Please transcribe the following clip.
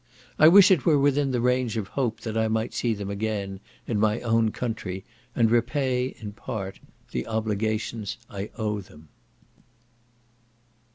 I wish it were within the range of hope, that I might see them again, in my own country, and repay, in part, the obligations I owe them.